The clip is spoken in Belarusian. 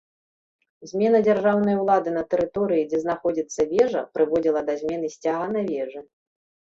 Змена дзяржаўнай улады на тэрыторыі, дзе знаходзіцца вежа, прыводзіла да змены сцяга на вежы.